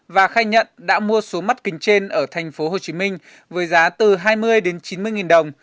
và khai nhận đã mua số mắt kính trên ở thành phố hồ chí minh với giá từ hai mươi chín mươi đồng